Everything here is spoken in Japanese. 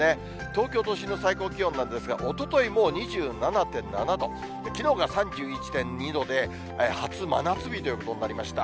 東京都心の最高気温なんですが、おとといもう２７．７度、きのうが３１．２度で、初真夏日ということになりました。